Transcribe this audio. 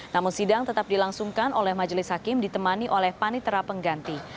namun sidang tetap dilangsungkan oleh majelis hakim ditemani oleh panitera pengganti